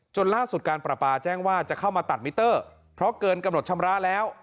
ล่าสุดการประปาแจ้งว่าจะเข้ามาตัดมิเตอร์เพราะเกินกำหนดชำระแล้ว